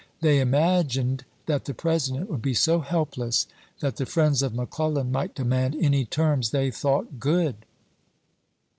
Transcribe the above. They im Msf" agined that the President would be so helpless that the friends of McClellan might demand any terms they thought good.